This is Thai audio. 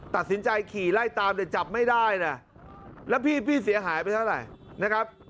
ตัดสินใจขี่ไล่ตามแต่จับไม่ได้นะแล้วพี่เสียหายไปเท่าไหร่นะครับ